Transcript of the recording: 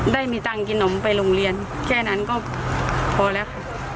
ได้มีตังค์กินนมไปโรงเรียนแค่นั้นก็พอแล้วค่ะ